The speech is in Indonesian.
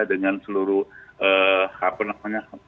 dengan seluruh apa namanya